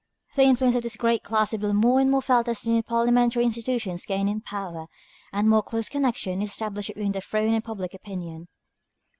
The influence of this great class will be more and more felt as the new parliamentary institutions gain in power, and a more close connection is established between the throne and public opinion.